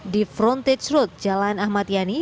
di frontage road jalan ahmad yani